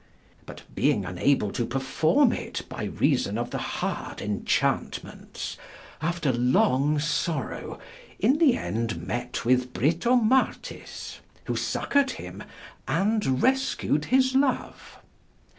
But being unable to performe it by reason of the hard enchauntments, after long sorrow, in the end met with Britomartis, who succoured him, and reskewed his love.